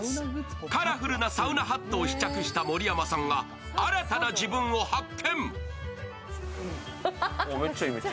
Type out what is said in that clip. カラフルなサウナハットを試着した盛山さんが新たな自分を発見。